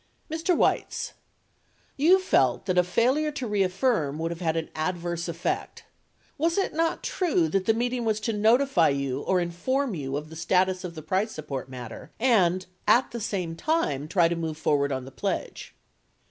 Mr. Weitz. You felt that a failure to reaffirm would have had an adverse effect. Was it not true that the meeting was to notify you or inform you of the status of the price support matter and, at the same time, try to move forward on the pledge